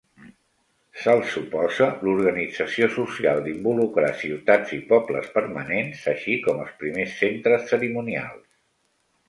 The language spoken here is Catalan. Se'ls suposa l'organització social d'involucrar ciutats i pobles permanents, així com els primers centres cerimonials.